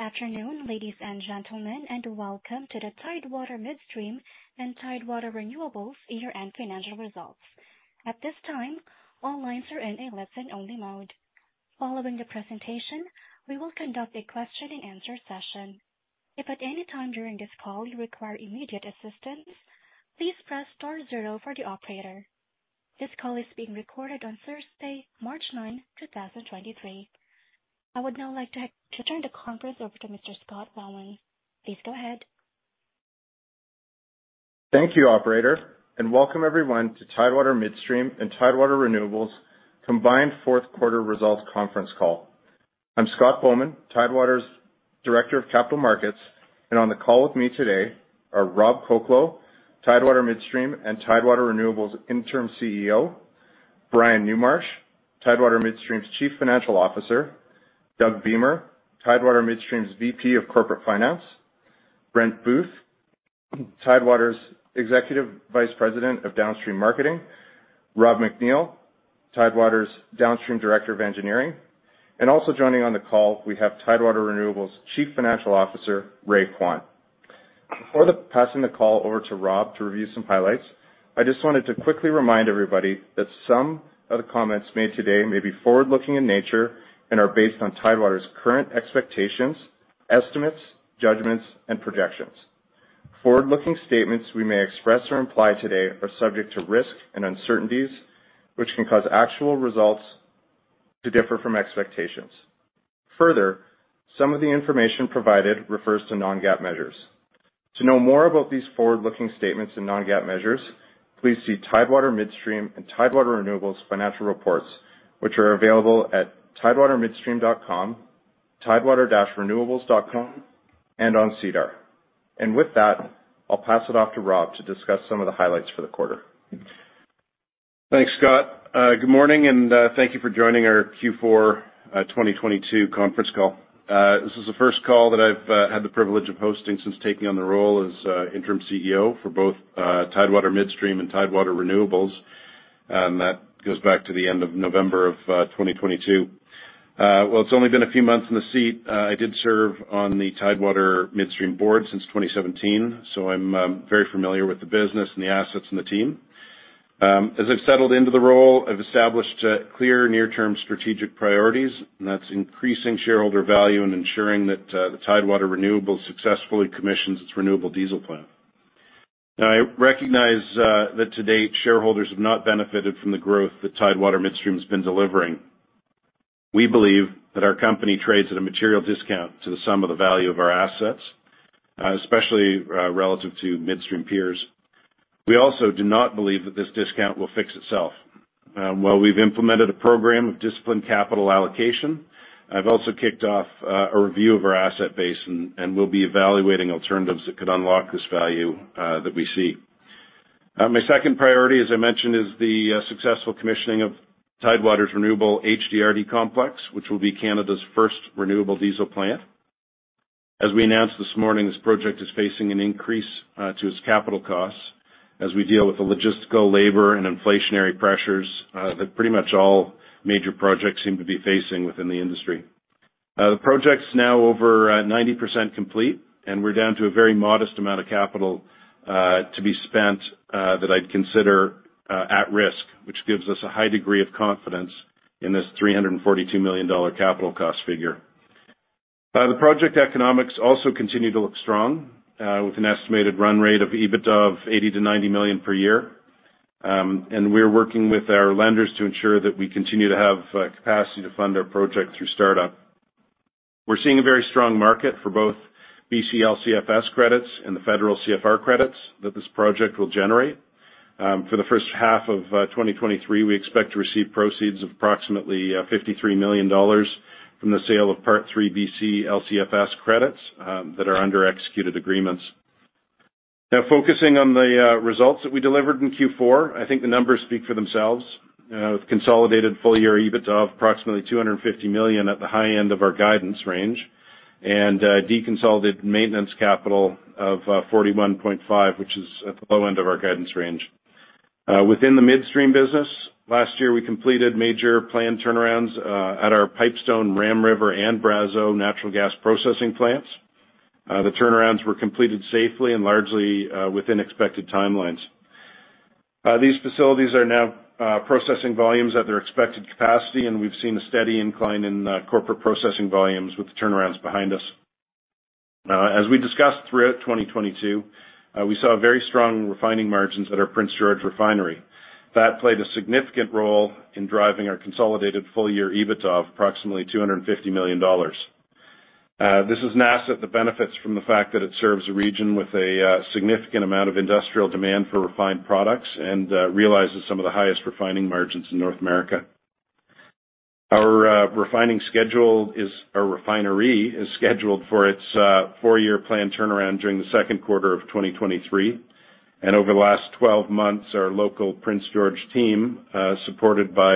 Good afternoon, ladies and gentlemen, and welcome to the Tidewater Midstream and Tidewater Renewables year-end financial results. At this time, all lines are in a listen-only mode. Following the presentation, we will conduct a question-and-answer session. If at any time during this call you require immediate assistance, please press star zero for the operator. This call is being recorded on Thursday, March 9, 2023. I would now like to turn the conference over to Mr. Scott Bauman. Please go ahead. Thank you, operator. Welcome everyone to Tidewater Midstream and Tidewater Renewables combined fourth quarter results conference call. I'm Scott Bauman, Tidewater's Director of Capital Markets. On the call with me today are Rob Colcleugh, Tidewater Midstream and Tidewater Renewables Interim CEO, Brian Newmarch, Tidewater Midstream's Chief Financial Officer, Doug Beamer, Tidewater Midstream's VP of Corporate Finance, Brent Booth, Tidewater's Executive Vice President of Downstream Marketing, Rob McNeil, Tidewater's Downstream Director of Engineering. Also joining on the call, we have Tidewater Renewables Chief Financial Officer, Ray Kwan. Before passing the call over to Rob to review some highlights, I just wanted to quickly remind everybody that some of the comments made today may be forward-looking in nature and are based on Tidewater's current expectations, estimates, judgments, and projections. Forward-looking statements we may express or imply today are subject to risk and uncertainties, which can cause actual results to differ from expectations. Further, some of the information provided refers to non-GAAP measures. To know more about these forward-looking statements and non-GAAP measures, please see Tidewater Midstream and Tidewater Renewables financial reports, which are available at tidewaterMidstream.com, tidewater-Renewables.com, and on SEDAR. With that, I'll pass it off to Rob to discuss some of the highlights for the quarter. Thanks, Scott. Good morning, and thank you for joining our Q4 2022 conference call. This is the first call that I've had the privilege of hosting since taking on the role as Interim CEO for both Tidewater Midstream and Tidewater Renewables. That goes back to the end of November 2022. While it's only been a few months in the seat, I did serve on the Tidewater Midstream Board since 2017, so I'm very familiar with the business and the assets and the team. As I've settled into the role, I've established clear near-term strategic priorities. That's increasing shareholder value and ensuring that the Tidewater Renewables successfully commissions its renewable diesel plant. Now, I recognize that to date, shareholders have not benefited from the growth that Tidewater Midstream has been delivering. We believe that our company trades at a material discount to the sum of the value of our assets, especially, relative to Midstream peers. We also do not believe that this discount will fix itself. While we've implemented a program of disciplined capital allocation, I've also kicked off a review of our asset base and we'll be evaluating alternatives that could unlock this value that we see. My second priority, as I mentioned, is the successful commissioning of Tidewater Renewables' HDRD Complex, which will be Canada's first renewable diesel plant. As we announced this morning, this project is facing an increase to its capital costs as we deal with the logistical, labor, and inflationary pressures that pretty much all major projects seem to be facing within the industry. The project's now over 90% complete, and we're down to a very modest amount of capital to be spent that I'd consider at risk, which gives us a high degree of confidence in this 342 million dollar capital cost figure. The project economics also continue to look strong with an estimated run rate of EBITDA of 80 million-90 million per year. We're working with our lenders to ensure that we continue to have capacity to fund our project through startup. We're seeing a very strong market for both BC-LCFS credits and the federal CFR credits that this project will generate. For the first half of 2023, we expect to receive proceeds of approximately 53 million dollars from the sale of Part 3 BC-LCFS credits that are under executed agreements. Now, focusing on the results that we delivered in Q4, I think the numbers speak for themselves. With consolidated full-year EBITDA of approximately 250 million at the high end of our guidance range, and deconsolidated maintenance capital of 41.5, which is at the low end of our guidance range. Within the Midstream business, last year, we completed major planned turnarounds at our Pipestone, Ram River, and Brazeau natural gas processing plants. The turnarounds were completed safely and largely within expected timelines. These facilities are now processing volumes at their expected capacity, and we've seen a steady incline in corporate processing volumes with the turnarounds behind us. As we discussed throughout 2022, we saw very strong refining margins at our Prince George Refinery. That played a significant role in driving our consolidated full-year EBITDA of approximately 250 million dollars. This is an asset that benefits from the fact that it serves a region with a significant amount of industrial demand for refined products and realizes some of the highest refining margins in North America. Our refinery is scheduled for its four-year plan turnaround during the second quarter of 2023. Over the last 12 months, our local Prince George team, supported by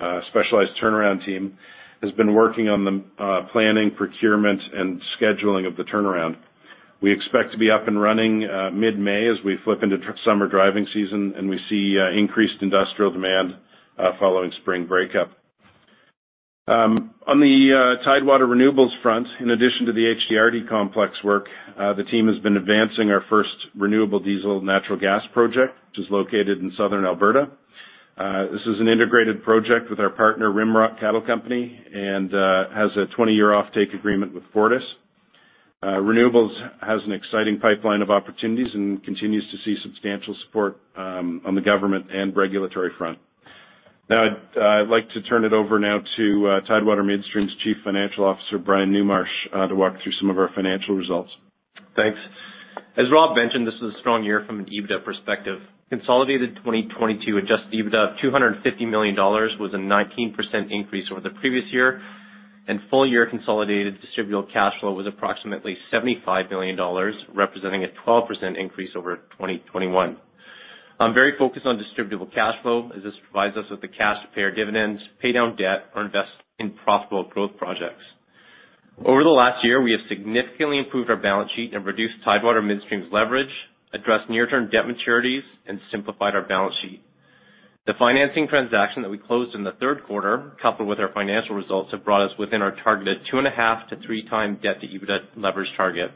a specialized turnaround team, has been working on the planning, procurement, and scheduling of the turnaround. We expect to be up and running mid-May as we flip into summer driving season, and we see increased industrial demand following spring breakup. On the Tidewater Renewables front, in addition to the HDRD Complex work, the team has been advancing our first renewable diesel natural gas project, which is located in Southern Alberta. This is an integrated project with our partner, Rimrock Cattle Company, and has a 20-year offtake agreement with Fortis. Renewables has an exciting pipeline of opportunities and continues to see substantial support on the government and regulatory front. Now, I'd like to turn it over now to Tidewater Midstream's Chief Financial Officer, Brian Newmarch, to walk through some of our financial results. Thanks. As Rob mentioned, this is a strong year from an EBITDA perspective. Consolidated 2022 adjusted EBITDA of CAD 250 million was a 19% increase over the previous year, and full year consolidated distributable cash flow was approximately 75 million dollars, representing a 12% increase over 2021. I'm very focused on distributable cash flow, as this provides us with the cash to pay our dividends, pay down debt, or invest in profitable growth projects. Over the last year, we have significantly improved our balance sheet and reduced Tidewater Midstream's leverage, addressed near-term debt maturities, and simplified our balance sheet. The financing transaction that we closed in the third quarter, coupled with our financial results, have brought us within our targeted 2.5x-3x debt-to-EBITDA leverage target.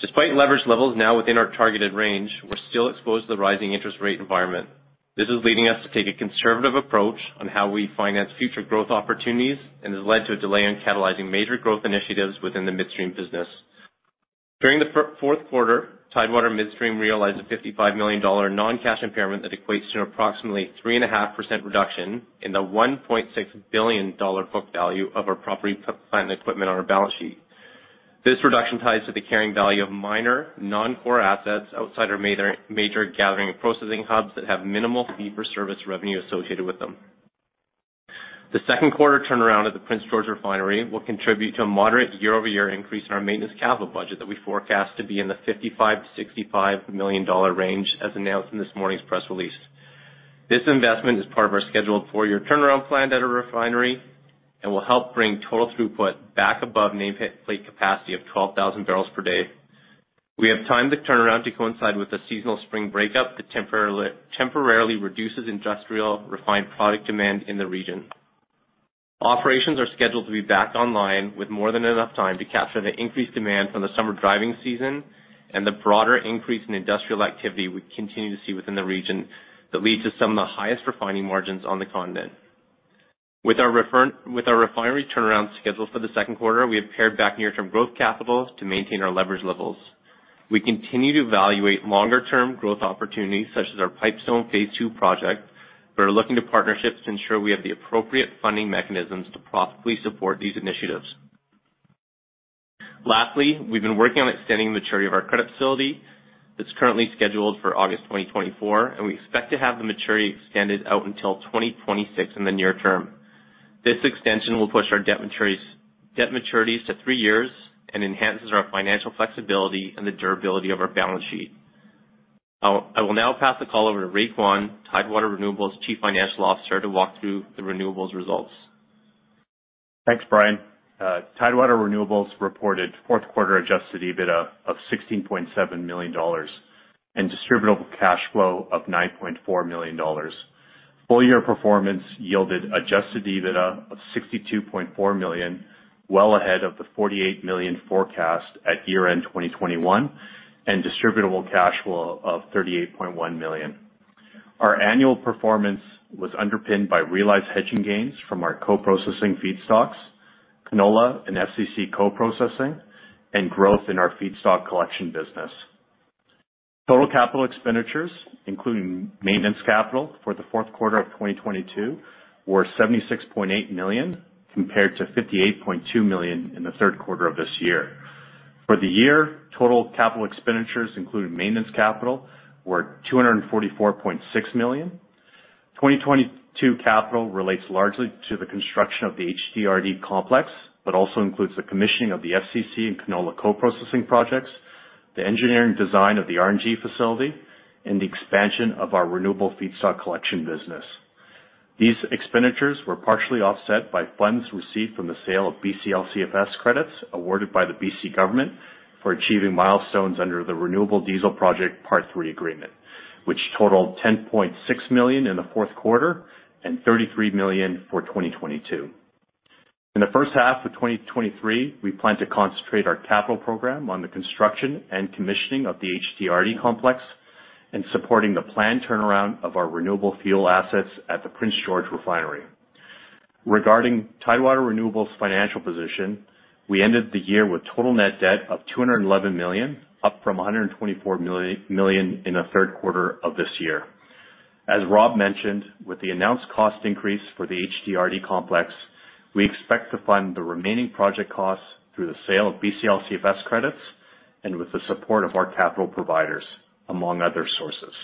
Despite leverage levels now within our targeted range, we're still exposed to the rising interest rate environment. This is leading us to take a conservative approach on how we finance future growth opportunities, and has led to a delay in catalyzing major growth initiatives within the Midstream business. During the fourth quarter, Tidewater Midstream realized a 55 million dollar non-cash impairment that equates to an approximately 3.5% reduction in the 1.6 billion dollar book value of our property, plant, and equipment on our balance sheet. This reduction ties to the carrying value of minor non-core assets outside our major gathering and processing hubs that have minimal fee-for-service revenue associated with them. The second quarter turnaround at the Prince George Refinery will contribute to a moderate year-over-year increase in our maintenance capital budget that we forecast to be in the 55 million-65 million dollar range, as announced in this morning's press release. This investment is part of our scheduled four-year turnaround plan at our refinery and will help bring total throughput back above nameplate capacity of 12,000 bpd. We have timed the turnaround to coincide with the seasonal spring breakup that temporarily reduces industrial refined product demand in the region. Operations are scheduled to be back online with more than enough time to capture the increased demand from the summer driving season and the broader increase in industrial activity we continue to see within the region that lead to some of the highest refining margins on the continent. With our refinery turnaround schedule for the second quarter, we have pared back near-term growth capitals to maintain our leverage levels. We continue to evaluate longer-term growth opportunities, such as our Pipestone Phase II project. We're looking to partnerships to ensure we have the appropriate funding mechanisms to profitably support these initiatives. Lastly, we've been working on extending the maturity of our credit facility that's currently scheduled for August 2024, and we expect to have the maturity extended out until 2026 in the near term. This extension will push our debt maturities to three years and enhances our financial flexibility and the durability of our balance sheet. I will now pass the call over to Ray Kwan, Tidewater Renewables Chief Financial Officer, to walk through the Renewables results. Thanks, Brian. Tidewater Renewables reported fourth quarter adjusted EBITDA of $16.7 million and distributable cash flow of $9.4 million. Full year performance yielded adjusted EBITDA of $62.4 million, well ahead of the $48 million forecast at year-end 2021, and distributable cash flow of $38.1 million. Our annual performance was underpinned by realized hedging gains from our co-processing feedstocks, canola and FCC co-processing, and growth in our feedstock collection business. Total capital expenditures, including maintenance capital for the fourth quarter of 2022, were $76.8 million, compared to $58.2 million in the third quarter of this year. For the year, total capital expenditures, including maintenance capital, were $244.6 million. 2022 capital relates largely to the construction of the HDRD Complex, also includes the commissioning of the FCC and canola co-processing projects, the engineering design of the RNG facility, and the expansion of our renewable feedstock collection business. These expenditures were partially offset by funds received from the sale of BC-LCFS credits awarded by the BC government for achieving milestones under the Renewable Diesel Project Part 3 Agreement, which totaled 10.6 million in the fourth quarter and 33 million for 2022. In the first half of 2023, we plan to concentrate our capital program on the construction and commissioning of the HDRD Complex and supporting the planned turnaround of our renewable fuel assets at the Prince George Refinery. Regarding Tidewater Renewables' financial position, we ended the year with total net debt of $211 million, up from $124 million in the third quarter of this year. As Rob mentioned, with the announced cost increase for the HDRD Complex, we expect to fund the remaining project costs through the sale of BC-LCFS credits and with the support of our capital providers, among other sources.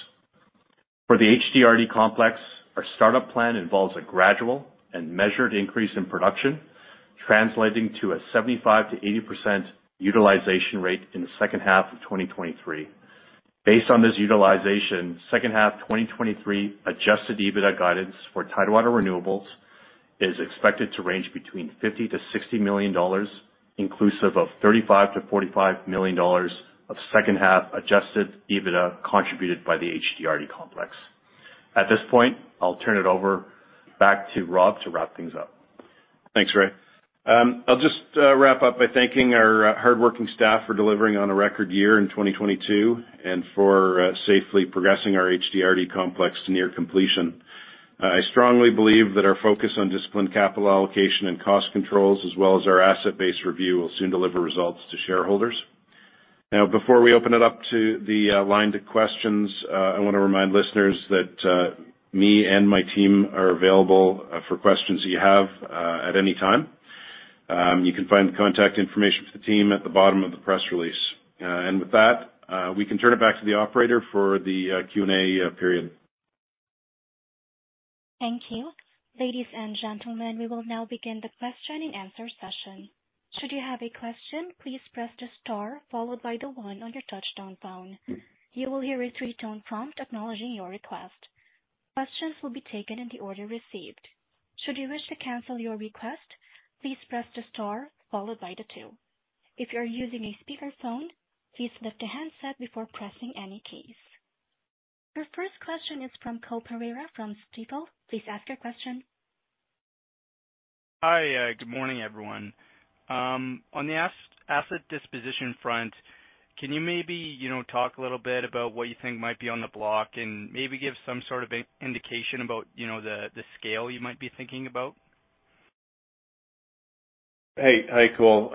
For the HDRD Complex, our startup plan involves a gradual and measured increase in production, translating to a 75%-80% utilization rate in the second half of 2023. Based on this utilization, second half 2023 adjusted EBITDA guidance for Tidewater Renewables is expected to range between $50 million-$60 million, inclusive of $35 million-$45 million of second half adjusted EBITDA contributed by the HDRD Complex. At this point, I'll turn it over back to Rob to wrap things up. Thanks, Ray. I'll just wrap up by thanking our hardworking staff for delivering on a record year in 2022 and for safely progressing our HDRD Complex to near completion. I strongly believe that our focus on disciplined capital allocation and cost controls, as well as our asset-based review, will soon deliver results to shareholders. Before we open it up to the line to questions, I wanna remind listeners that me and my team are available for questions you have at any time. You can find the contact information for the team at the bottom of the press release. With that, we can turn it back to the operator for the Q&A period. Thank you. Ladies and gentlemen, we will now begin the question-and-answer session. Should you have a question, please press the star followed by the one on your touch-tone phone. You will hear a three-tone prompt acknowledging your request. Questions will be taken in the order received. Should you wish to cancel your request, please press the star followed by the two. If you're using a speakerphone, please lift the handset before pressing any keys. Your first question is from Cole Pereira from Stifel. Please ask your question. Hi. Good morning, everyone. On the asset disposition front, can you maybe, you know, talk a little bit about what you think might be on the block and maybe give some sort of indication about, you know, the scale you might be thinking about? Hey. Hi, Cole.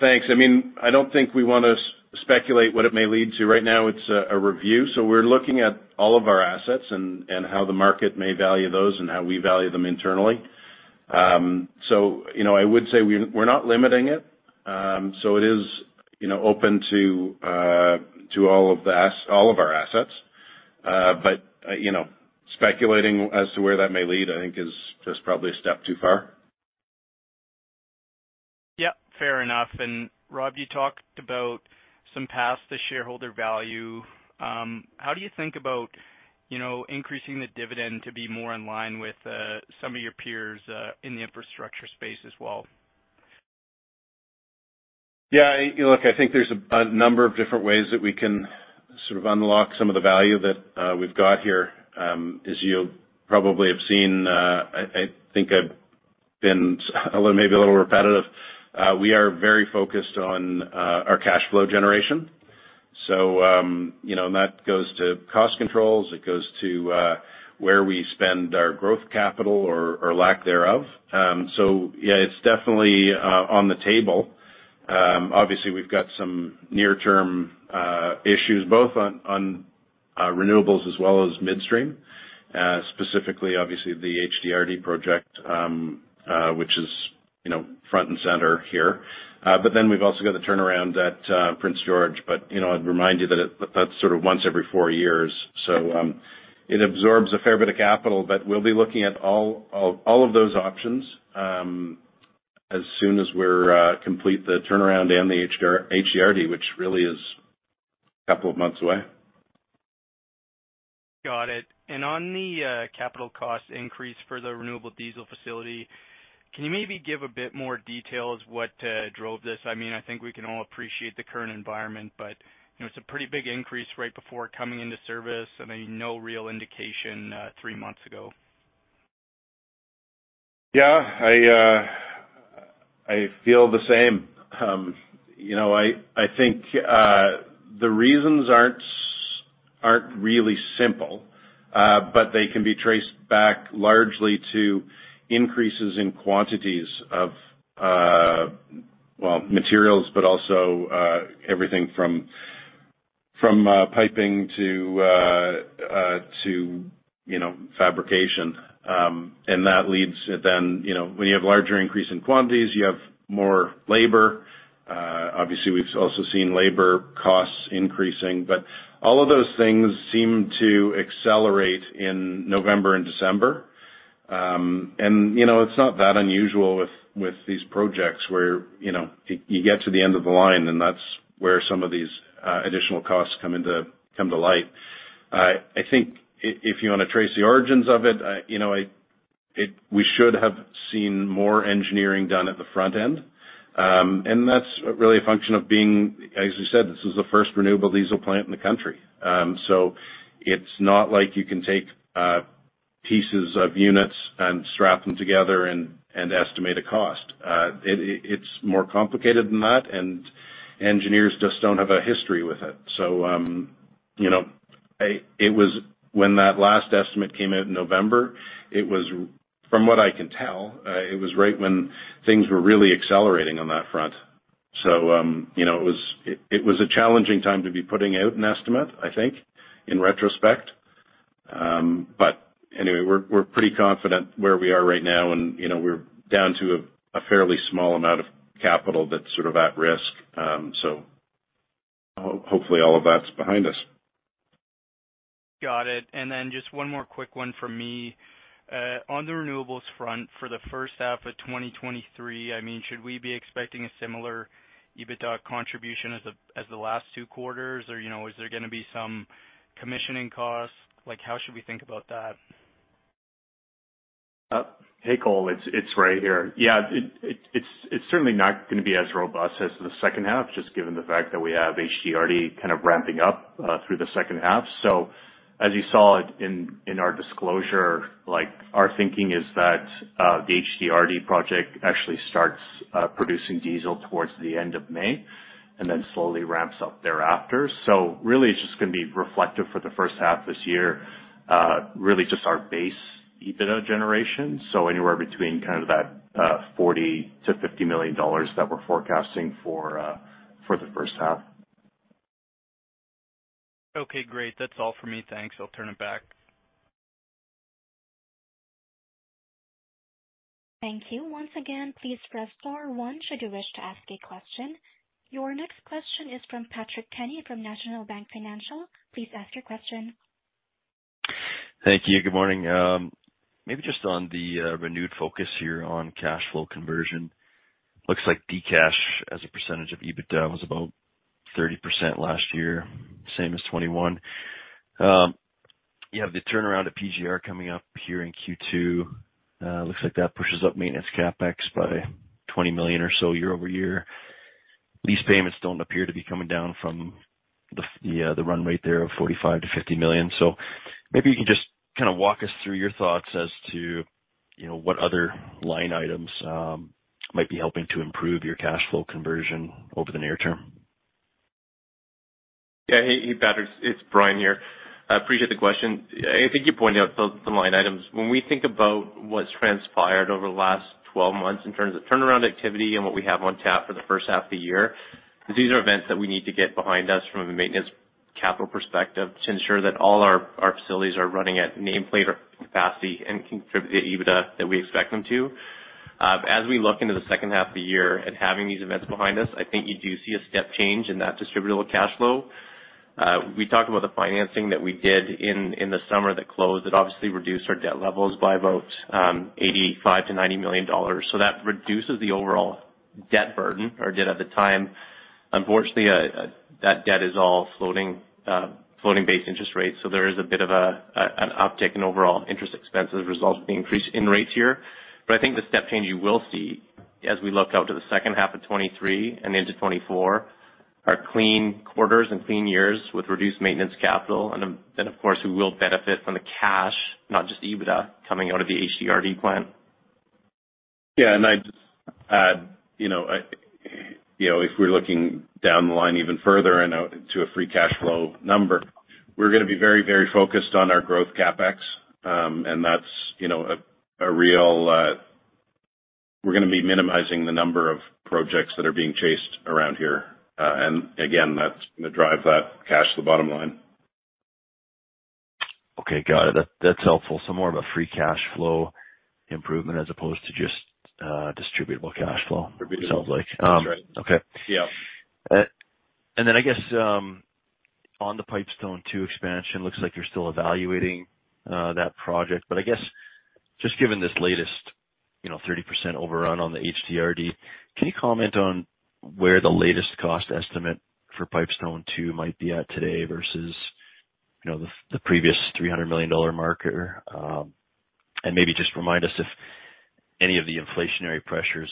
thanks. I mean, I don't think we wanna speculate what it may lead to. Right now, it's a review, so we're looking at all of our assets and how the market may value those and how we value them internally. you know, I would say we're not limiting it. it is, you know, open to all of our assets. you know, speculating as to where that may lead, I think is just probably a step too far. Yeah, fair enough. Rob, you talked about some paths to shareholder value. How do you think about, you know, increasing the dividend to be more in line with some of your peers in the infrastructure space as well? Yeah. You know, look, I think there's a number of different ways that we can sort of unlock some of the value that we've got here. As you probably have seen, I think I've been a little, maybe a little repetitive. We are very focused on our cash flow generation. You know, that goes to cost controls. It goes to where we spend our growth capital or lack thereof. Yeah, it's definitely on the table. Obviously, we've got some near-term issues both on Renewables as well as Midstream, specifically, obviously, the HDRD project, which is, you know, front and center here. We've also got the turnaround at Prince George. You know, I'd remind you that that's sort of once every four years. It absorbs a fair bit of capital, but we'll be looking at all of those options, as soon as we're complete the turnaround and the HDRD, which really is a couple of months away. Got it. On the capital cost increase for the renewable diesel facility, can you maybe give a bit more details what drove this? I mean, I think we can all appreciate the current environment, but, you know, it's a pretty big increase right before coming into service. I mean, no real indication three months ago. Yeah. I feel the same. you know, I think the reasons aren't really simple, but they can be traced back largely to increases in quantities of, well, materials, but also everything from piping to, you know, fabrication. That leads then, you know, when you have larger increase in quantities, you have more labor. Obviously, we've also seen labor costs increasing, but all of those things seem to accelerate in November and December. you know, it's not that unusual with these projects where, you know, you get to the end of the line and that's where some of these additional costs come to light. I think if you wanna trace the origins of it, you know, we should have seen more engineering done at the front end. That's really a function of being... As you said, this is the first renewable diesel plant in the country. It's not like you can take pieces of units and strap them together and estimate a cost. It's more complicated than that, and engineers just don't have a history with it. You know, when that last estimate came out in November, it was, from what I can tell, it was right when things were really accelerating on that front. You know, it was a challenging time to be putting out an estimate, I think, in retrospect. Anyway, we're pretty confident where we are right now and, you know, we're down to a fairly small amount of capital that's sort of at risk. Hopefully, all of that's behind us. Got it. Just one more quick one from me. On the Renewables front, for the first half of 2023, I mean, should we be expecting a similar EBITDA contribution as the last two quarters? Or, you know, is there gonna be some commissioning costs? Like how should we think about that? Hey, Cole, it's Ray here. Yeah. It's certainly not gonna be as robust as the second half, just given the fact that we have HDRD kind of ramping up through the second half. As you saw it in our disclosure, like our thinking is that the HDRD project actually starts producing diesel towards the end of May, and then slowly ramps up thereafter. Really just gonna be reflective for the first half this year, really just our base EBITDA generation, so anywhere between kind of that 40 million-50 million dollars that we're forecasting for the first half. Okay, great. That's all for me. Thanks. I'll turn it back. Thank you. Once again, please press star one should you wish to ask a question. Your next question is from Patrick Kenny from National Bank Financial. Please ask your question. Thank you. Good morning. Maybe just on the renewed focus here on cash flow conversion. Looks like de-cash as a percentage of EBITDA was about 30% last year, same as 2021. You have the turnaround at PGR coming up here in Q2. Looks like that pushes up maintenance CapEx by 20 million or so year over year. Lease payments don't appear to be coming down from the run rate there of 45 million-50 million. Maybe you can just kinda walk us through your thoughts as to, you know, what other line items might be helping to improve your cash flow conversion over the near term? Hey, hey, Patrick, it's Brian here. I appreciate the question. I think you pointed out some line items. When we think about what's transpired over the last 12 months in terms of turnaround activity and what we have on tap for the first half of the year, these are events that we need to get behind us from a maintenance capital perspective to ensure that all our facilities are running at nameplate capacity and contribute to the EBITDA that we expect them to. As we look into the second half of the year and having these events behind us, I think you do see a step change in that distributable cash flow. We talked about the financing that we did in the summer that closed. It obviously reduced our debt levels by about 85 million-90 million dollars. That reduces the overall debt burden or did at the time. Unfortunately, that debt is all floating base interest rates, there is a bit of an uptick in overall interest expenses resulting from increase in rates here. I think the step change you will see as we look out to the second half of 2023 and into 2024, are clean quarters and clean years with reduced maintenance capital. Of course, we will benefit from the cash, not just EBITDA, coming out of the HDRD plant. Yeah. I'd just add, you know, I, you know, if we're looking down the line even further and out into a free cash flow number, we're gonna be very, very focused on our growth CapEx. We're gonna be minimizing the number of projects that are being chased around here. Again, that's gonna drive that cash to the bottom line. Okay. Got it. That's helpful. More of a free cash flow improvement as opposed to just distributable cash flow... Distributable... it sounds like. That's right. Okay. Yeah. I guess, on the Pipestone Phase II expansion, looks like you're still evaluating that project. I guess just given this latest, you know, 30% overrun on the HDRD, can you comment on where the latest cost estimate for Pipestone Phase II might be at today versus, you know, the previous 300 million dollar marker? Maybe just remind us if any of the inflationary pressures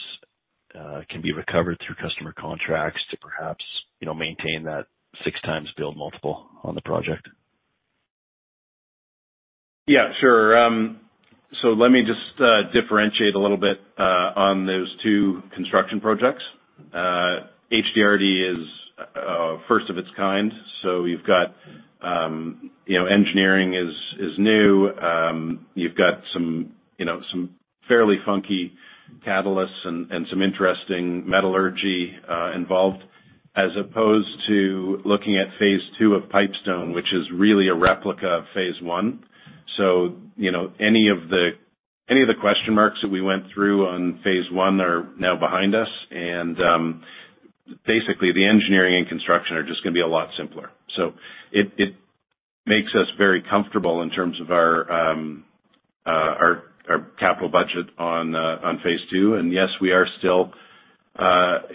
can be recovered through customer contracts to perhaps, you know, maintain that 6x build multiple on the project. Yeah, sure. Let me just differentiate a little bit on those two construction projects. HDRD is first of its kind, so you've got, you know, engineering is new. You've got some, you know, some fairly funky catalysts and some interesting metallurgy involved, as opposed to looking at phase II Pipestone, which is really a replica of phase phase. You know, any of the, any of the question marks that we went through on phase I are now behind us. Basically, the engineering and construction are just gonna be a lot simpler. It makes us very comfortable in terms of our capital budget on phase II. Yes, we are still,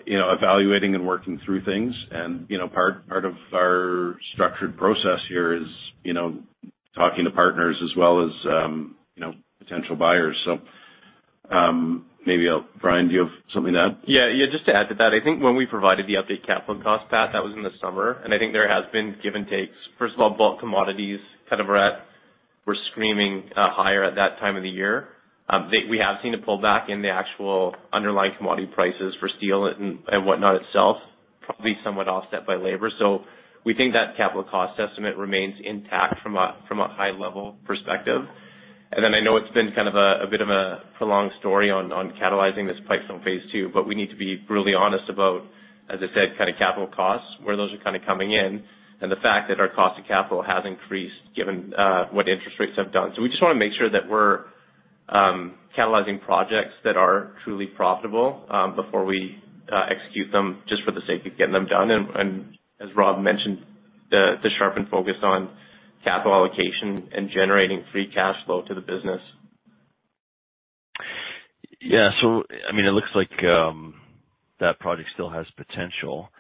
you know, evaluating and working through things and, you know, part of our structured process here is, you know, talking to partners as well as, you know, potential buyers. Maybe I'll-- Brian, do you have something to add? Yeah. Just to add to that, I think when we provided the update capital cost, Pat, that was in the summer, I think there has been give and takes. First of all, bulk commodities kind of were screaming higher at that time of the year. We have seen a pullback in the actual underlying commodity prices for steel and whatnot itself, probably somewhat offset by labor. We think that capital cost estimate remains intact from a high-level perspective. I know it's been kind of a bit of a prolonged story on catalyzing this Pipestone Phase II, but we need to be really honest about, as I said, kind of capital costs, where those are kinda coming in, and the fact that our cost of capital has increased given what interest rates have done. We just wanna make sure that we're catalyzing projects that are truly profitable before we execute them just for the sake of getting them done. As Rob mentioned, the sharpened focus on capital allocation and generating free cash flow to the business. I mean, it looks like that project still has potential.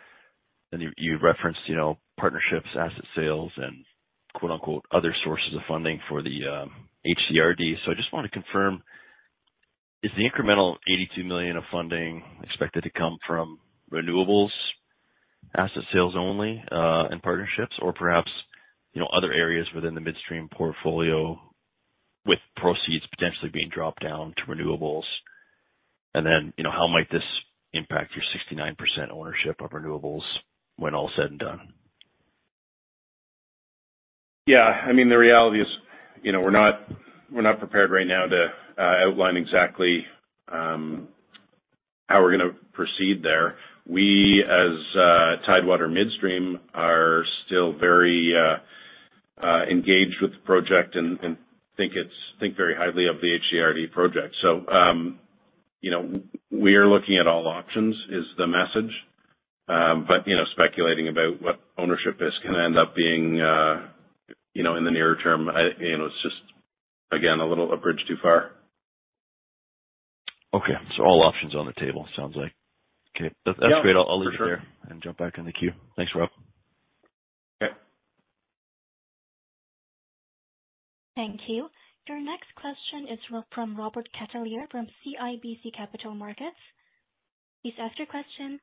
You referenced, you know, partnerships, asset sales and quote-unquote, "other sources of funding" for the HDRD. I just wanna confirm, is the incremental 82 million of funding expected to come from Renewables asset sales only and partnerships or perhaps, you know, other areas within the Midstream portfolio with proceeds potentially being dropped down to Renewables? You know, how might this impact your 69% ownership of Renewables when all is said and done? Yeah, I mean, the reality is, you know, we're not prepared right now to outline exactly how we're gonna proceed there. We as Tidewater Midstream are still very engaged with the project and think very highly of the HDRD project. We are looking at all options is the message. You know, speculating about what ownership is gonna end up being, you know, in the nearer term, I, you know, it's just, again, a little a bridge too far. Okay. All options on the table, sounds like. Okay. Yeah. That's great. I'll leave it there. For sure. jump back in the queue. Thanks, Rob. Okay. Thank you. Your next question is from Robert Catellier from CIBC Capital Markets. Please ask your question.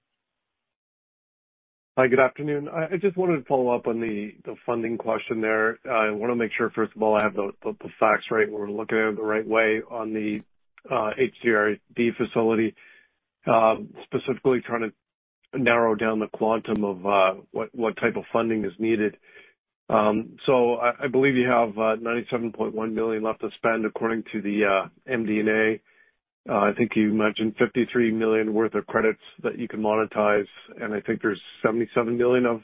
Hi, good afternoon. I just wanted to follow up on the funding question there. I wanna make sure, first of all, I have the facts right and we're looking at it the right way on the HDRD facility. Specifically trying to narrow down the quantum of what type of funding is needed. I believe you have 97.1 million left to spend according to the MD&A. I think you mentioned 53 million worth of credits that you can monetize, and I think there's 77 million of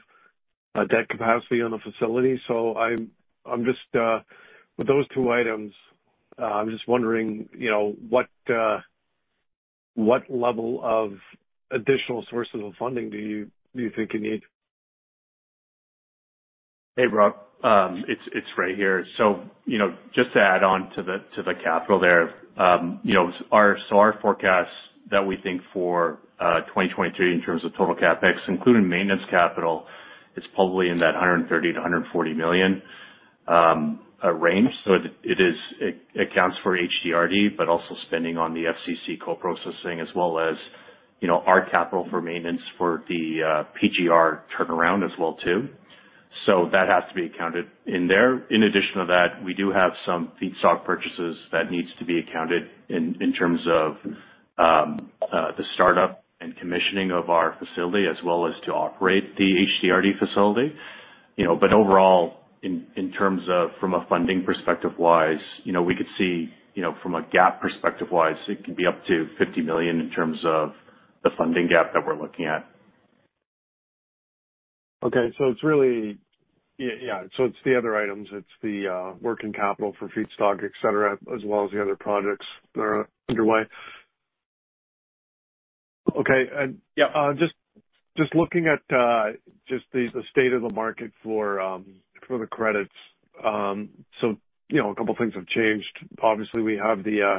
debt capacity on the facility. I'm just with those two items, I'm just wondering, you know, what level of additional sources of funding do you think you need? Hey, Rob. It's Ray here. You know, just to add on to the capital there, you know, our forecasts that we think for 2023 in terms of total CapEx, including maintenance capital, is probably in that 130 million-140 million range. It accounts for HDRD, but also spending on the FCC co-processing as well as, you know, our capital for maintenance for the PGR turnaround as well too. That has to be accounted in there. In addition to that, we do have some feedstock purchases that needs to be accounted in terms of the startup and commissioning of our facility, as well as to operate the HDRD facility. You know, overall in terms of from a funding perspective wise, you know, we could see, you know, from a gap perspective wise, it can be up to 50 million in terms of the funding gap that we're looking at. Okay. It's really. Yeah, yeah. It's the other items. It's the working capital for feedstock, et cetera, as well as the other projects that are underway. Okay. Yeah. Just looking at just the state of the market for the credits. You know, a couple things have changed. Obviously, we have the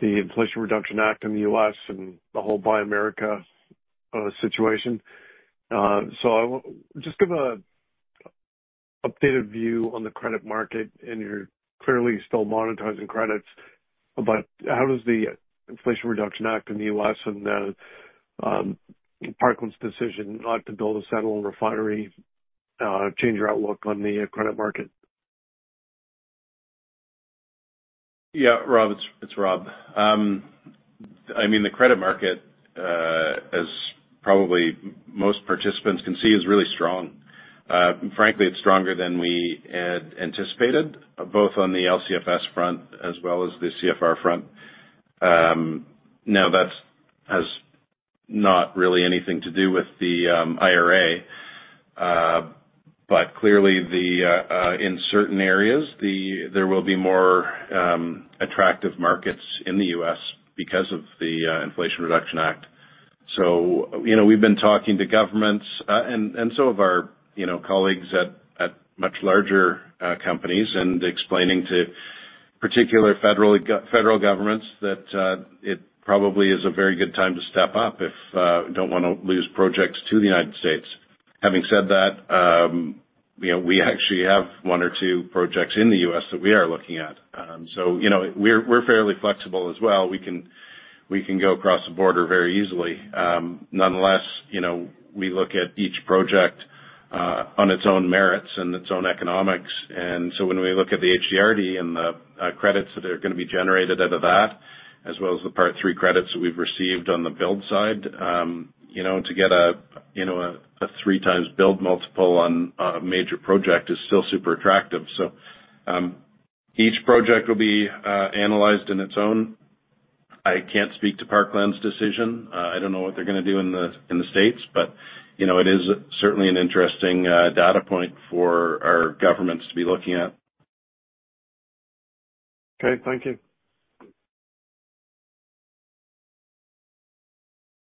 Inflation Reduction Act in the U.S. and the whole Buy America situation. Just give a updated view on the credit market, and you're clearly still monetizing credits, but how does the Inflation Reduction Act in the U.S. and Parkland's decision not to build a Seattle refinery change your outlook on the credit market? Rob, it's Rob. I mean, the credit market, as probably most participants can see, is really strong. Frankly, it's stronger than we had anticipated, both on the LCFS front as well as the CFR front. Now that's not really anything to do with the IRA. Clearly the, in certain areas, the there will be more attractive markets in the U.S. because of the Inflation Reduction Act. You know, we've been talking to governments, and some of our, you know, colleagues at much larger companies and explaining to particular federal governments that it probably is a very good time to step up if we don't wanna lose projects to the United States. Having said that, you know, we actually have one or two projects in the U.S. that we are looking at. You know, we're fairly flexible as well. We can go across the border very easily. Nonetheless, you know, we look at each project on its own merits and its own economics. When we look at the HDRD and the credits that are gonna be generated out of that, as well as the Part 3 credits that we've received on the build side, you know, to get a, you know, a 3x build multiple on a major project is still super attractive. Each project will be analyzed in its own. I can't speak to Parkland's decision. I don't know what they're gonna do in the, in the States, but, you know, it is certainly an interesting data point for our governments to be looking at. Okay. Thank you.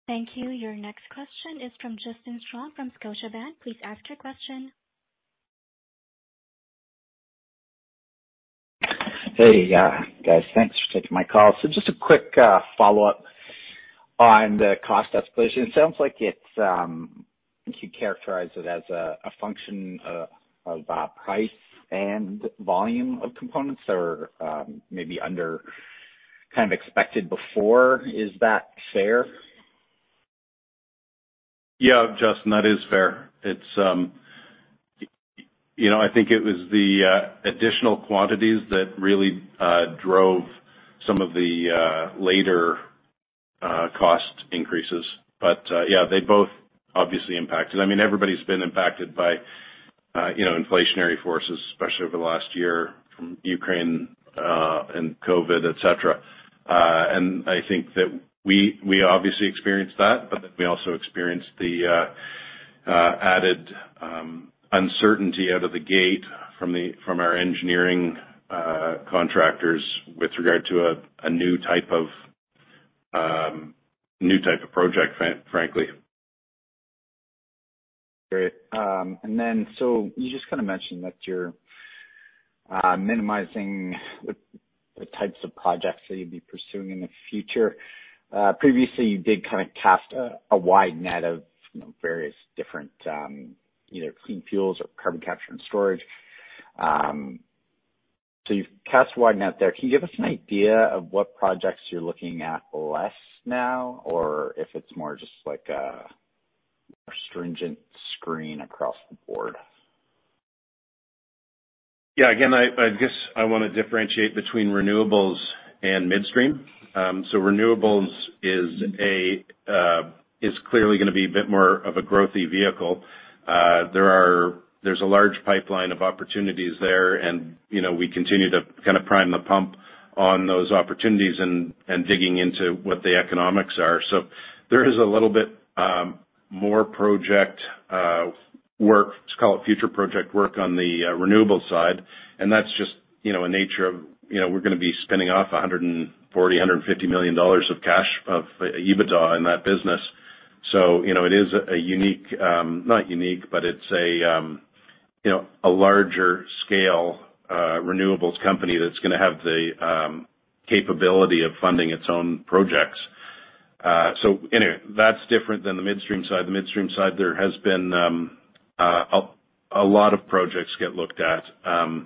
Thank you. Your next question is from Justin Strong from Scotiabank. Please ask your question. Hey, guys, thanks for taking my call. Just a quick follow-up on the cost escalation. It sounds like it's, if you'd characterize it as a function of price and volume of components that are maybe under kind of expected before. Is that fair? Yeah, Justin, that is fair. It's, you know, I think it was the additional quantities that really drove some of the later cost increases. Yeah, they both obviously impacted. I mean, everybody's been impacted by, you know, inflationary forces, especially over the last year from Ukraine, and COVID, et cetera. I think that we obviously experienced that, we also experienced the added uncertainty out of the gate from our engineering contractors with regard to a new type of project, frankly. Great. You just kinda mentioned that you're minimizing the types of projects that you'll be pursuing in the future. Previously, you did kinda cast a wide net of, you know, various different, either clean fuels or carbon capture and storage. You've cast a wide net there. Can you give us an idea of what projects you're looking at less now or if it's more just like a more stringent screen across the board? Yeah, again, I guess I wanna differentiate between Renewables and Midstream. Renewables is clearly gonna be a bit more of a growthy vehicle. There's a large pipeline of opportunities there and, you know, we continue to kinda prime the pump on those opportunities and digging into what the economics are. There is a little bit more project work, let's call it future project work, on the Renewables side, and that's just, you know, a nature of, you know, we're gonna be spinning off 140 million-150 million dollars of cash of EBITDA in that business. It is a unique, not unique, but it's a, you know, a larger scale Renewables company that's gonna have the capability of funding its own projects. Anyway, that's different than the Midstream side. The Midstream side, there has been a lot of projects get looked at. I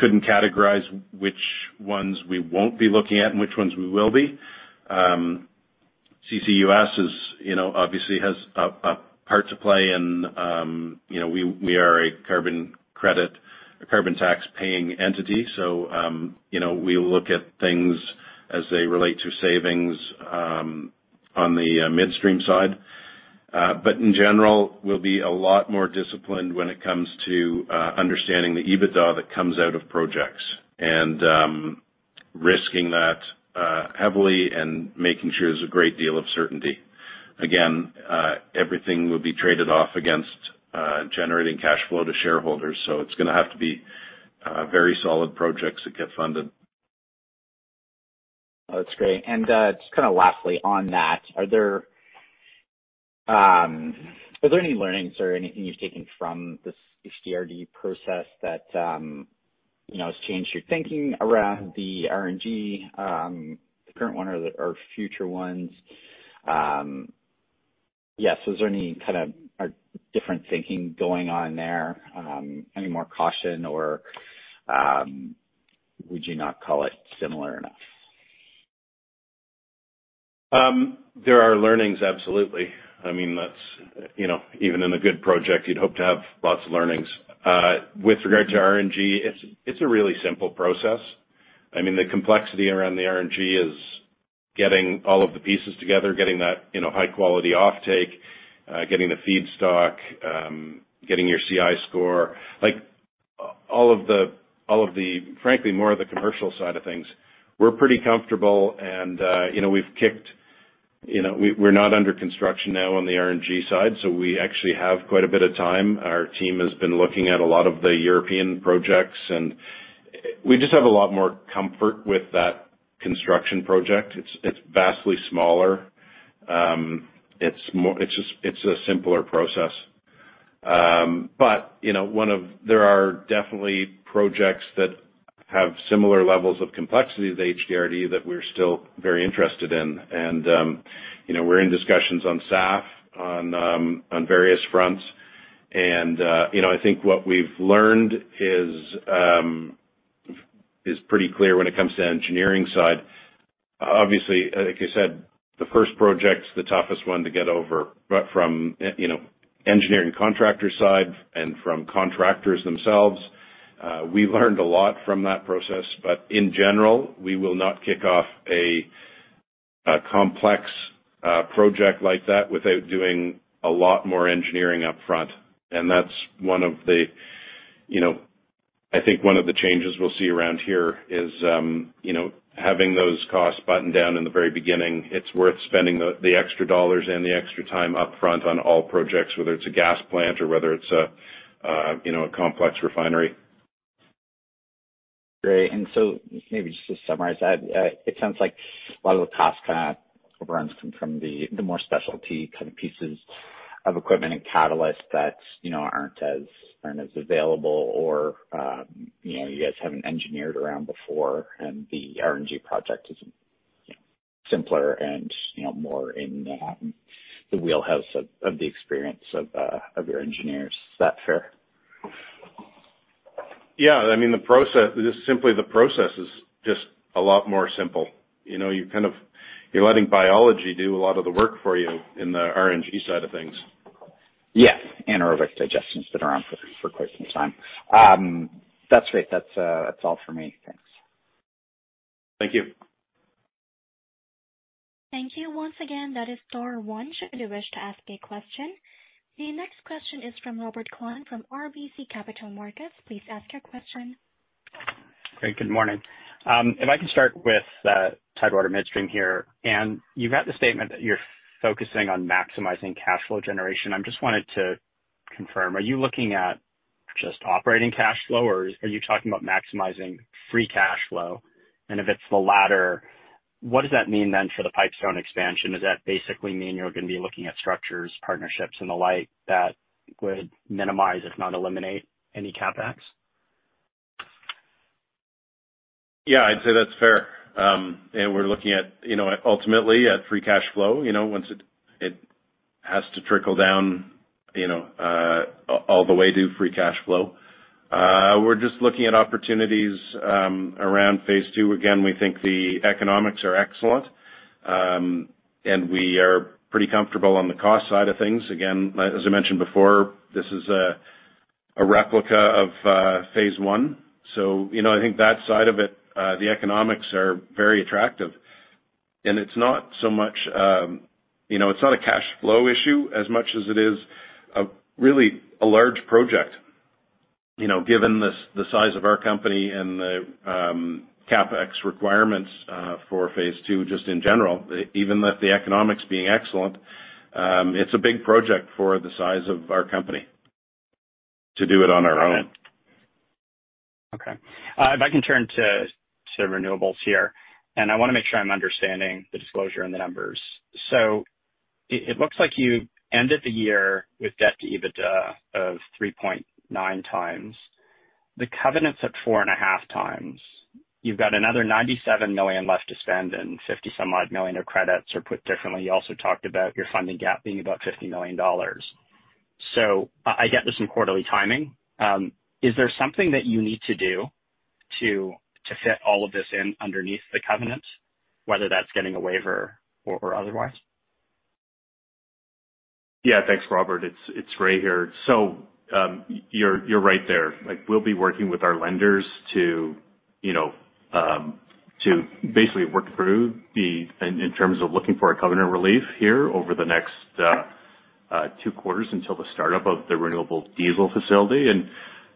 couldn't categorize which ones we won't be looking at and which ones we will be. CCUS is, you know, obviously has a part to play and, you know, we are a carbon credit, a carbon tax-paying entity. We look at things as they relate to savings on the Midstream side. In general, we'll be a lot more disciplined when it comes to understanding the EBITDA that comes out of projects and risking that heavily and making sure there's a great deal of certainty. Again, everything will be traded off against generating cash flow to shareholders. It's gonna have to be very solid projects that get funded. That's great. Just kinda lastly on that, are there any learnings or anything you've taken from this HDRD process that, you know, has changed your thinking around the RNG, the current one or the, or future ones? Is there any kind of different thinking going on there, any more caution or, would you not call it similar enough? There are learnings, absolutely. I mean, that's, you know, even in a good project, you'd hope to have lots of learnings. With regard to RNG, it's a really simple process. I mean, the complexity around the RNG is getting all of the pieces together, getting that, you know, high-quality offtake, getting the feedstock, getting your CI score. Like, all of the, frankly, more of the commercial side of things, we're pretty comfortable and, you know, we're not under construction now on the RNG side, so we actually have quite a bit of time. Our team has been looking at a lot of the European projects and we just have a lot more comfort with that construction project. It's vastly smaller. It's just, it's a simpler process. You know, there are definitely projects that have similar levels of complexity to the HDRD that we're still very interested in. You know, we're in discussions on SAF, on various fronts. You know, I think what we've learned is pretty clear when it comes to engineering side. Obviously, like I said, the first project's the toughest one to get over, but from, you know, engineering contractor side and from contractors themselves, we learned a lot from that process. In general, we will not kick off a complex project like that without doing a lot more engineering upfront. That's one of the, you know, I think one of the changes we'll see around here is, you know, having those costs buttoned down in the very beginning. It's worth spending the extra CAD and the extra time upfront on all projects, whether it's a gas plant or whether it's a, you know, a complex refinery. Great. maybe just to summarize that, it sounds like a lot of the cost kind of overruns come from the more specialty kind of pieces of equipment and catalysts that, you know, aren't as, aren't as available or, you know, you guys haven't engineered around before and the RNG project is, you know, simpler and, you know, more in the wheelhouse of the experience of your engineers. Is that fair? Yeah. I mean, Just simply the process is just a lot more simple. You know, you kind of, you're letting biology do a lot of the work for you in the RNG side of things. Yeah, anaerobic digestion's been around for quite some time. That's great. That's all for me. Thanks. Thank you. Thank you. Once again, that is star one should you wish to ask a question. The next question is from Robert Kwan from RBC Capital Markets. Please ask your question. Great, good morning. If I can start with Tidewater Midstream here, you've got the statement that you're focusing on maximizing cash flow generation. I just wanted to confirm, are you looking at just operating cash flow, or are you talking about maximizing free cash flow? If it's the latter, what does that mean then for the Pipestone expansion? Does that basically mean you're gonna be looking at structures, partnerships and the like that would minimize, if not eliminate any CapEx? Yeah, I'd say that's fair. We're looking at, you know, ultimately at free cash flow, you know, once it has to trickle down, you know, all the way to free cash flow. We're just looking at opportunities around phase II. Again, we think the economics are excellent, we are pretty comfortable on the cost side of things. Again, as I mentioned before, this is a replica of phase I. You know, I think that side of it, the economics are very attractive. It's not so much, you know, it's not a cash flow issue as much as it is a really a large project. You know, given the size of our company and the CapEx requirements, for phase II, just in general, even with the economics being excellent, it's a big project for the size of our company to do it on our own. Okay. If I can turn to Renewables here, I want to make sure I'm understanding the disclosure and the numbers. It looks like you ended the year with debt to EBITDA of 3.9x. The covenant's at 4.5x. You've got another $97 million left to spend and $50 some odd million of credits, or put differently, you also talked about your funding gap being about $50 million. I get there's some quarterly timing. Is there something that you need to do to fit all of this in underneath the covenant, whether that's getting a waiver or otherwise? Thanks, Robert. It's Ray here. You're right there. Like, we'll be working with our lenders to, you know, to basically work through in terms of looking for a covenant relief here over the next two quarters until the start-up of the renewable diesel facility.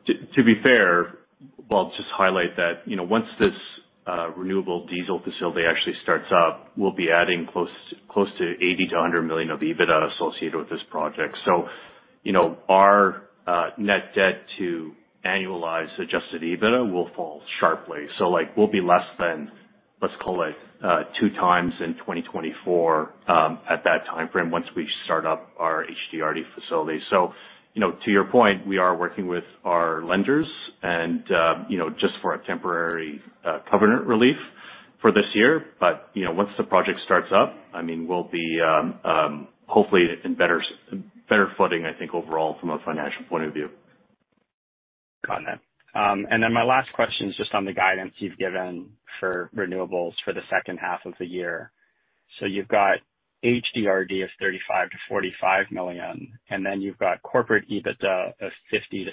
To be fair, well, I'll just highlight that, you know, once this renewable diesel facility actually starts up, we'll be adding close to 80 million-100 million of EBITDA associated with this project. You know, our net debt to annualized adjusted EBITDA will fall sharply. Like, we'll be less than, let's call it, 2x in 2024 at that timeframe once we start up our HDRD facility. You know, to your point, we are working with our lenders and, you know, just for a temporary covenant relief for this year. You know, once the project starts up, I mean, we'll be, hopefully in better footing, I think, overall from a financial point of view. Got it. My last question is just on the guidance you've given for Renewables for the second half of the year. You've got HDRD of 35 million-45 million, and then you've got corporate EBITDA of 50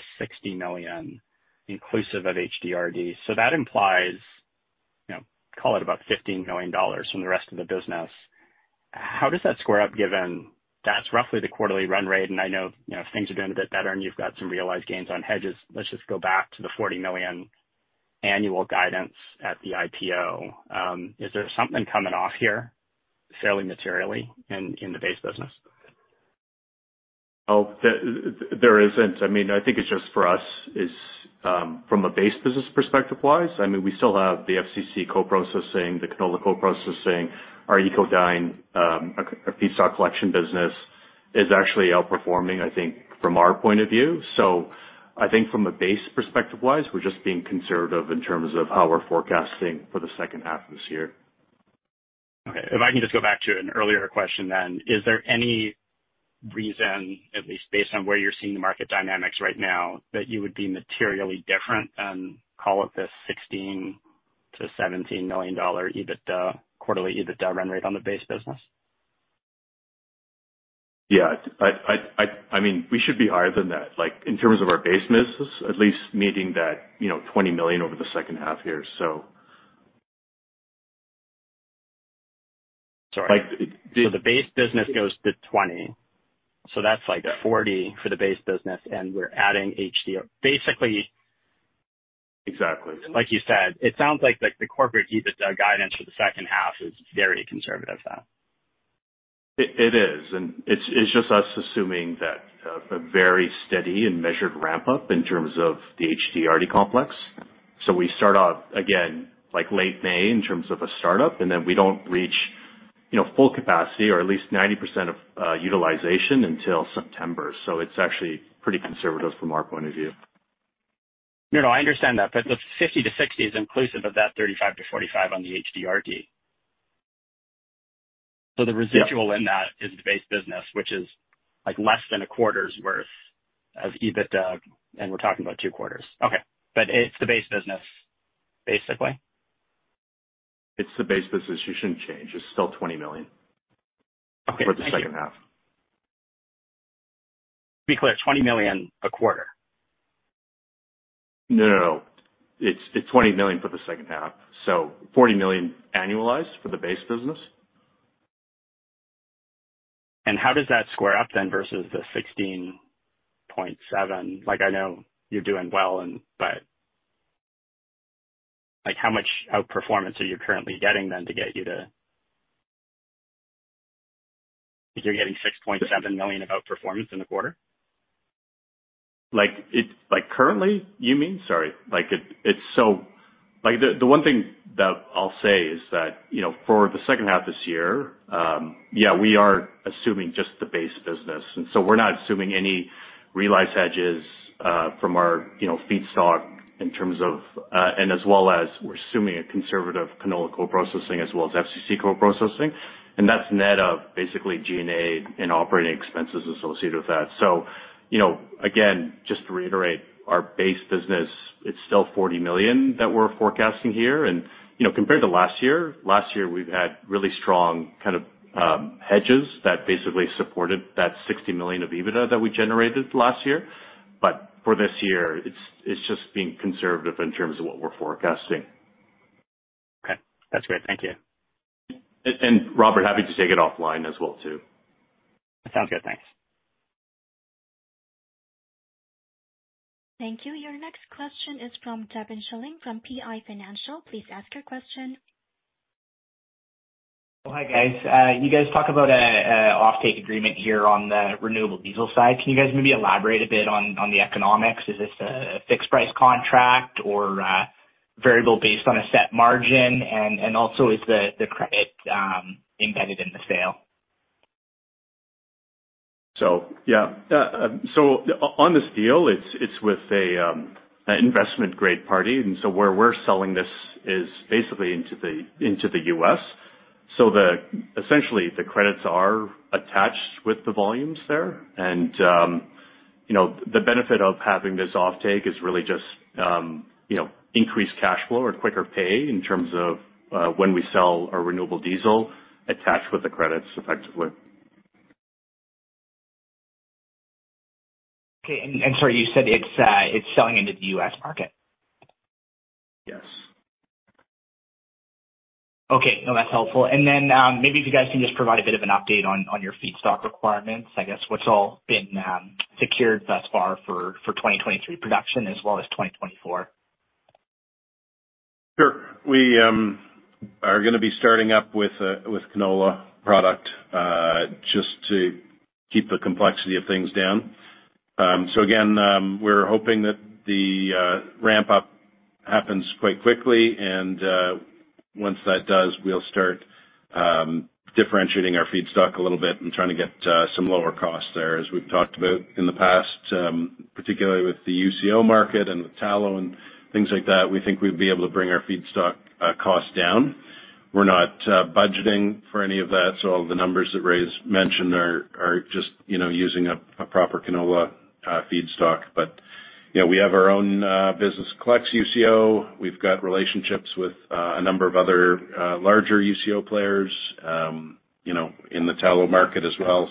million-60 million, inclusive of HDRD. That implies, you know, call it about 15 million dollars from the rest of the business. How does that square up, given that's roughly the quarterly run rate? I know, you know, if things are doing a bit better and you've got some realized gains on hedges, let's just go back to the 40 million annual guidance at the IPO. Is there something coming off here fairly materially in the base business? There isn't. I mean, I think it's just for us is, from a base business perspective-wise, I mean, we still have the FCC co-processing, the canola co-processing. Our UCO, our feedstock collection business is actually outperforming, I think, from our point of view. I think from a base perspective-wise, we're just being conservative in terms of how we're forecasting for the second half of this year. Okay. If I can just go back to an earlier question then. Is there any reason, at least based on where you're seeing the market dynamics right now, that you would be materially different than call it the 16 million-17 million dollar EBITDA, quarterly EBITDA run rate on the base business? Yeah. I mean, we should be higher than that, like in terms of our base business, at least meeting that, you know, 20 million over the second half here, so. Sorry. Like- The base business goes to 20 million. That's like 40 million for the base business, and we're adding HDR. Exactly. Like you said, it sounds like the corporate EBITDA guidance for the second half is very conservative then. It is. It's just us assuming that a very steady and measured ramp up in terms of the HDRD Complex. We start off again, like late May in terms of a startup, and then we don't reach, you know, full capacity or at least 90% of utilization until September. It's actually pretty conservative from our point of view. No, no, I understand that. The 50-60 is inclusive of that 35-45 on the HDRD. The residual in that is the base business, which is like less than a quarter's worth of EBITDA, and we're talking about two quarters. Okay. It's the base business, basically. It's the base business. You shouldn't change. It's still 20 million- Okay. Thank you. -for the second half. To be clear, 20 million a quarter? No, it's 20 million for the second half, so 40 million annualized for the base business. How does that square up then versus the 16.7? Like, I know you're doing well, but, like, how much outperformance are you currently getting then? You're getting $6.7 million outperformance in the quarter? Like currently, you mean? Sorry. Like, it's so. Like the one thing that I'll say is that, you know, for the second half this year, yeah, we are assuming just the base business. We're not assuming any realized hedges, from our, you know, feedstock in terms of, and as well as we're assuming a conservative canola co-processing as well as FCC co-processing. That's net of basically G&A and operating expenses associated with that. You know, again, just to reiterate, our base business, it's still 40 million that we're forecasting here. You know, compared to last year, last year, we've had really strong kind of, hedges that basically supported that 60 million of EBITDA that we generated last year. For this year, it's just being conservative in terms of what we're forecasting. Okay. That's great. Thank you. Robert, happy to take it offline as well too. Sounds good. Thanks. Thank you. Your next question is from Devin Schilling from PI Financial. Please ask your question. Oh, hi, guys. You guys talk about a offtake agreement here on the renewable diesel side. Can you guys maybe elaborate a bit on the economics? Is this a fixed price contract or variable based on a set margin? Also, is the credit embedded in the sale? Yeah. On this deal, it's with an investment-grade party. Where we're selling this is basically into the U.S. Essentially, the credits are attached with the volumes there. you know, the benefit of having this offtake is really just, you know, increased cash flow or quicker pay in terms of when we sell our renewable diesel attached with the credits effectively. Okay. Sorry, you said it's selling into the U.S. market? Yes. Okay. No, that's helpful. Maybe if you guys can just provide a bit of an update on your feedstock requirements, I guess what's all been secured thus far for 2023 production as well as 2024. Sure. We are gonna be starting up with canola product just to keep the complexity of things down. Again, we're hoping that the ramp up happens quite quickly, and once that does, we'll start differentiating our feedstock a little bit and trying to get some lower costs there. As we've talked about in the past, particularly with the UCO market and the tallow and things like that, we think we'd be able to bring our feedstock cost down. We're not budgeting for any of that. All the numbers that Ray's mentioned are just, you know, using a proper canola feedstock. You know, we have our own business collects UCO. We've got relationships with a number of other larger UCO players, you know, in the tallow market as well.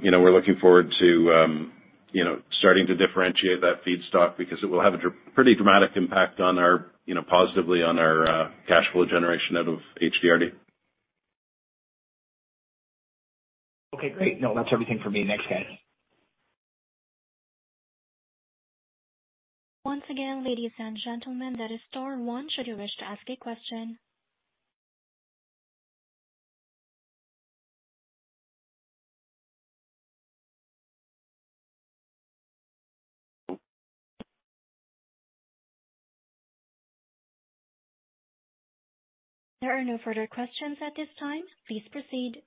You know, we're looking forward to, you know, starting to differentiate that feedstock because it will have a pretty dramatic impact on our, you know, positively on our cash flow generation out of HDRD. Okay, great. No, that's everything for me. Thanks, guys. Once again, ladies and gentlemen, that is star one should you wish to ask a question. There are no further questions at this time. Please proceed.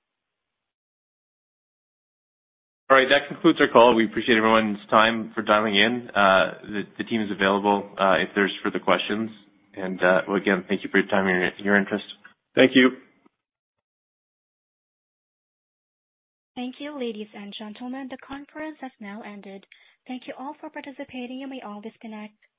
All right. That concludes our call. We appreciate everyone's time for dialing in. The team is available, if there's further questions. Again, thank you for your time and your interest. Thank you. Thank you, ladies and gentlemen, the conference has now ended. Thank you all for participating. You may all disconnect.